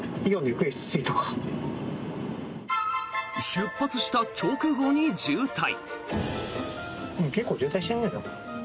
出発した直後に渋滞。